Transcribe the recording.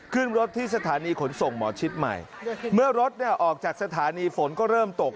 ขึ้นรถที่สถานีขนส่งหมอชิดใหม่เมื่อรถเนี่ยออกจากสถานีฝนก็เริ่มตก